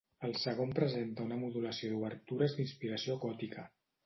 El segon presenta una modulació d'obertures d'inspiració gòtica.